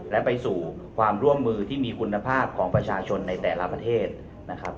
และไปสู่ความร่วมมือที่มีคุณภาพของประชาชนในแต่ละประเทศนะครับ